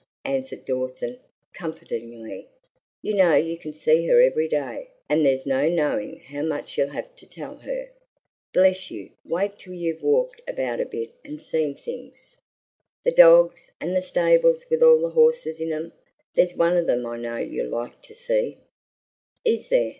answered Dawson, comfortingly, "you know you can see her every day, and there's no knowing how much you'll have to tell her. Bless you! wait till you've walked about a bit and seen things, the dogs, and the stables with all the horses in them. There's one of them I know you'll like to see " "Is there?"